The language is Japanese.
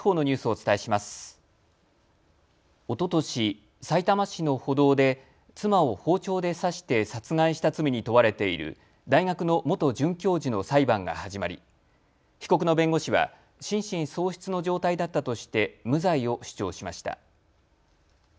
おととし、さいたま市の歩道で妻を包丁で刺して殺害した罪に問われている大学の元准教授の裁判が始まり被告の弁護士は心神喪失の状態だったとして無罪を主張しました。